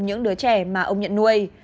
những đứa trẻ mà ông nhận nuôi